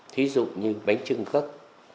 thí dụ như bánh trưng gấc